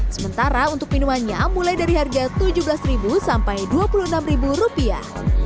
sementara untuk minumannya mulai dari harga tujuh belas sampai dua puluh enam rupiah